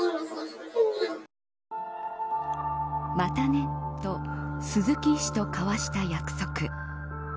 またね、と鈴木医師と交わした約束。